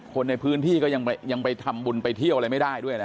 คนในพื้นที่ก็ยังไปทำบุญไปเที่ยวอะไรไม่ได้ด้วยนะ